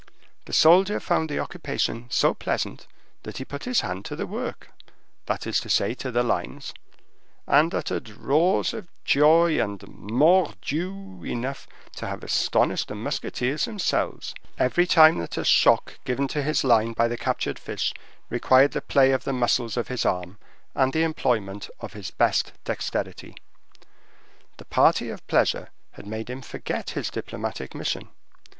The soldier found the occupation so pleasant, that he put his hand to the work—that is to say, to the lines—and uttered roars of joy, and mordioux enough to have astonished his musketeers themselves, every time that a shock given to his line by the captured fish required the play of the muscles of his arm, and the employment of his best dexterity. The party of pleasure had made him forget his diplomatic mission.